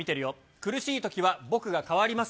苦しいときは、僕が代わります